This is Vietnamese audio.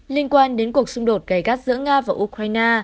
liên quan đến cuộc xung đột gây gắt giữa nga và ukraine